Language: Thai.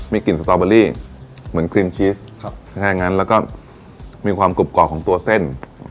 มีกลิ่นสตอเบอรี่เหมือนครีมชีสแค่นั้นแล้วก็มีความกรุบกรอบของตัวเส้น